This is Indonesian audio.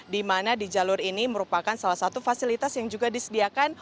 di mana di jalur ini merupakan salah satu fasilitas yang juga disediakan